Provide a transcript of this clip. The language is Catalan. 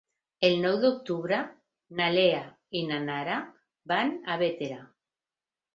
El nou d'octubre na Lea i na Nara van a Bétera.